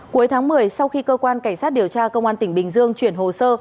cuối tháng một mươi sau khi cơ quan cảnh sát điều tra công an tp hcm chuyển hồ sơ